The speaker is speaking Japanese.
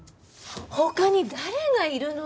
他に誰がいるのよ？